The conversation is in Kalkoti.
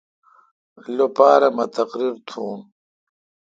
لوپارہ مہ تقریر تھون۔